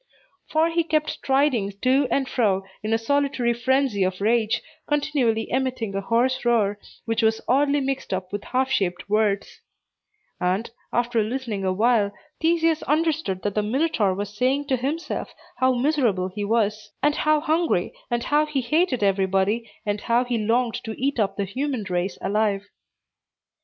For he kept striding to and fro, in a solitary frenzy of rage, continually emitting a hoarse roar, which was oddly mixed up with half shaped words; and, after listening a while, Theseus understood that the Minotaur was saying to himself how miserable he was, and how hungry, and how he hated everybody, and how he longed to eat up the human race alive.